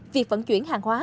việc phận chuyển hàng hóa